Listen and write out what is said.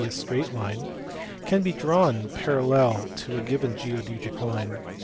a straight line) can be drawn parallel to a given geodetic line.